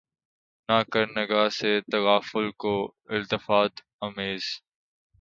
نہ کر نگہ سے تغافل کو التفات آمیز